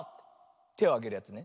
てをあげるやつね。